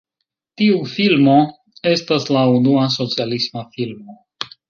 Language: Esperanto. Tiu filmo estas la unua "socialisma filmo".